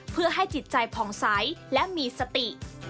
เพื่อให้จิตใจผ่องใสและมีสติ